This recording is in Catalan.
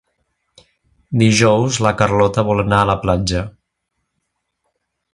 Dijous na Carlota vol anar a la platja.